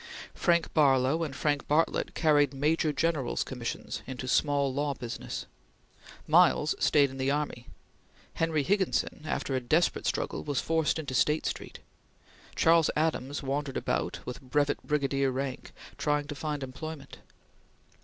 Frank Barlow and Frank Bartlett carried Major Generals' commissions into small law business. Miles stayed in the army. Henry Higginson, after a desperate struggle, was forced into State Street; Charles Adams wandered about, with brevet brigadier rank, trying to find employment.